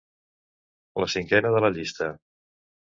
La cinquena de la llista.